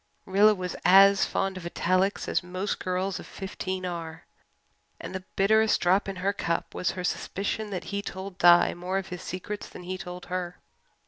Rilla was as fond of italics as most girls of fifteen are and the bitterest drop in her cup was her suspicion that he told Di more of his secrets than he told her.